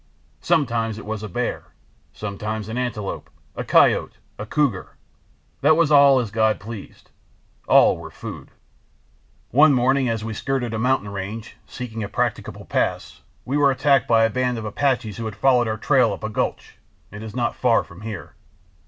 Sometimes it was a bear, sometimes an antelope, a coyote, a cougar—that was as God pleased; all were food. "One morning as we skirted a mountain range, seeking a practicable pass, we were attacked by a band of Apaches who had followed our trail up a gulch—it is not far from here.